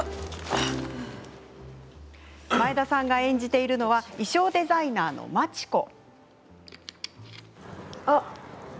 前田さんが演じているのは衣装デザイナーの真知子。